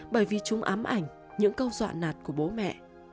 bởi vì chúng ám ảnh những câu dọa nạt của bố mẹ